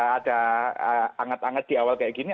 ada anget anget di awal kayak gini